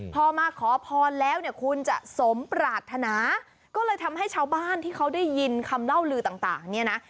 พอมาขอพรแล้วเนี่ยคุณจะสมปรารถนาก็เลยทำให้ชาวบ้านที่เขาได้ยินคำเล่าลือต่างเนี่ยนะ